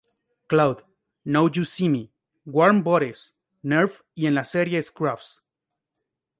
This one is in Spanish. Cloud", "Now You See Me", "Warm Bodies", Nerve y en la serie "Scrubs".